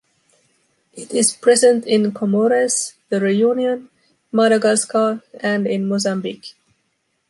It is present in Comores, The Reunion, Madagascar and in Mozambique.